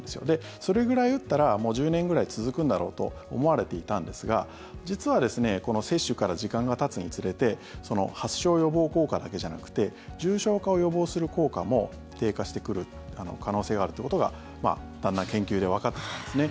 それくらい打ったらもう１０年くらい続くんだろうと思われていたんですが実は接種から時間がたつにつれて発症予防効果だけじゃなくて重症化を予防する効果も低下してくる可能性があるということがだんだん研究でわかってきたんですね。